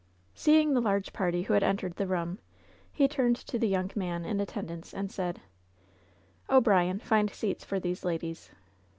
Seeing the large party who had entered the room, he turned to the young man in attendance, and said: "O'Brien, find seats for these ladies."